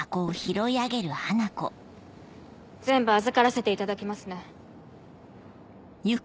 全部預からせていただきますね。